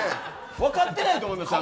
分かってないと思います。